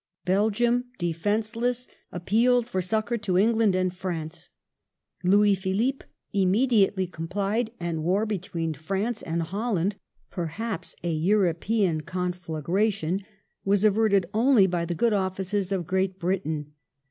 Belgium, defenceless, appealed for succour to England and France. Louis Philippe immediately complied, and war between France and Holland — perhaps a European conflagra ' tion — was averted only by the good offices of Great Britain.